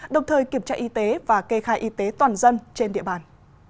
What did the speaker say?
đồng thời kiểm tra y tế và kê khai y tế toàn dân trên địa bàn